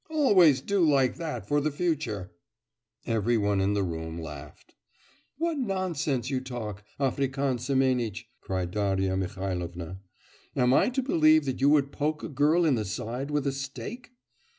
Always do like that for the future!"' Every one in the room laughed. 'What nonsense you talk, African Semenitch,' cried Darya Mihailovna. 'Am I to believe that you would poke a girl in the side with a stake!